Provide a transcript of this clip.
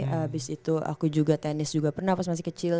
habis itu aku juga tenis juga pernah pas masih kecil